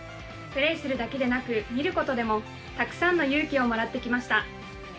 プレーするだけでなく見ることでもたくさんの勇気をもらってきました。